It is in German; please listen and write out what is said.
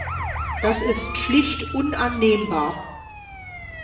Das ist schlicht unannehmbar!